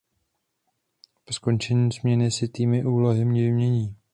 Po skončení směny si týmy úlohy vymění.